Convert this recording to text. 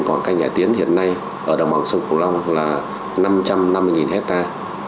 quảng canh nhà tiến hiện nay ở đồng bằng sông phủ long là năm trăm năm mươi hectare